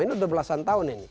ini sudah belasan tahun ini